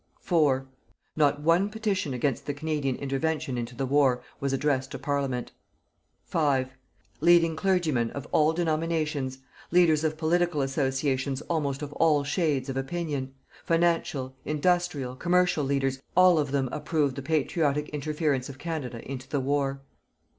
4. Not one petition against the Canadian intervention into the war was addressed to Parliament. 5. Leading Clergymen, of all denominations; leaders of political associations almost of all shades of opinion; financial, industrial, commercial leaders, all of them approved the patriotic interference of Canada into the war.